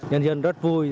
nhân dân rất vui